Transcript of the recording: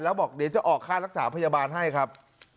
แล้วบอกเดี๋ยวจะออกค่ารักษาพยาบาลให้ครับ